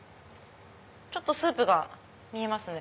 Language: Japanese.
ちょっとスープが見えますね。